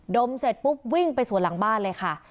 มเสร็จปุ๊บวิ่งไปสวนหลังบ้านเลยค่ะ